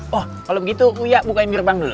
wah kalau begitu wia bukain jurbang dulu